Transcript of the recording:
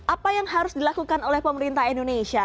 apa yang harus dilakukan oleh pemerintah indonesia